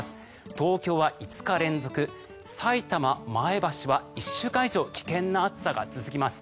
東京は５日連続さいたま、前橋は１週間以上危険な暑さが続きます。